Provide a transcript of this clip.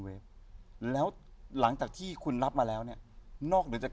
แล้วหลังจากที่คุณรับมาแล้วเนี่ยนอกเหนือจาก